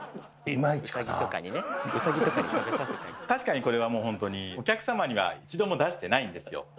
確かにこれはもうほんとにお客様には一度も出していないんですよ。